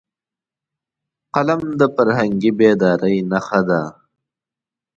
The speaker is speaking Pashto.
قلم د فرهنګي بیدارۍ نښه ده